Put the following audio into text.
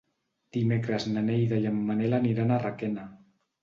Dimecres na Neida i en Manel aniran a Requena.